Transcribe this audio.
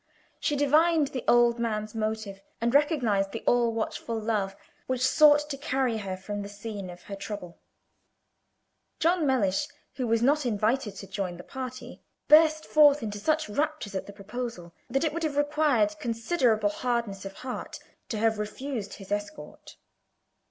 She divined the old man's motive, and recognized the all watchful love which sought to carry her from the scene of her trouble. John Mellish, who was not invited to join the party, burst forth into such raptures at the proposal that it would have required considerable hardness of heart to have refused his escort.